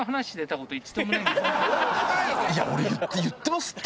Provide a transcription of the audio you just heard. いや俺言ってますって！